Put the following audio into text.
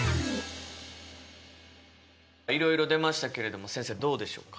いろいろ出ましたけれども先生どうでしょうか。